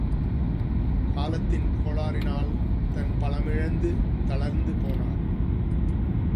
காலத்தின் கோளாறினால் தன் பலமிழந்து, தளர்ந்து போனார்.